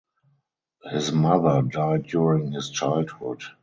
His mother died during his childhood.